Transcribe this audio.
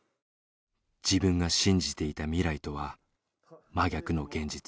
自分が信じていた未来とは真逆の現実。